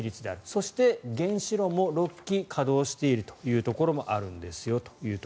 そして、原子炉も６基稼働しているということもあるんですよと。